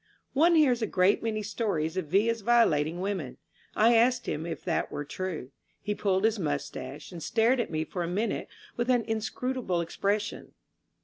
One hears a great many stories of Villa's violating women. I asked him if that were true. He pulled his mustache and stared at me for a minute with an in scrutable expression.